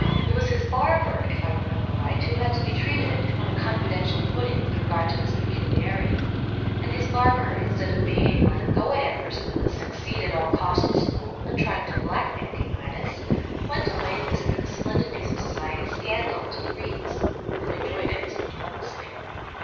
It was his barber (if I remember right) who had to be treated on a confidential footing with regard to this peculiarity ; and his barber, instead of behaving like a go ahead person of the succeed at all costs school and trying to blackmail King Midas, went away and whispered this splendid piece of society scandal to the reeds, who enjoyed it enormously.